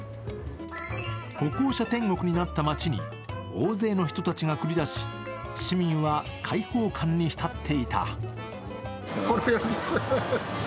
歩行者天国になった街に大勢の人が繰り出し、市民は解放感に浸っていた。